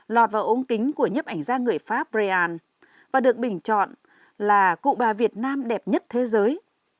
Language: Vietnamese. lọt vào ống kính của nhấp ảnh gia người pháp brian và được bình chọn là cụ bà việt nam đẹp nhất thế giới